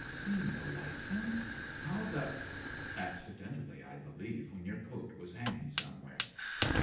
"' 'Seen the licence? How the ' 'Accidentally, I believe, when your coat was hanging somewhere.'